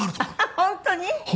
本当に。